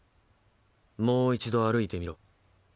もう一度歩いてみろ。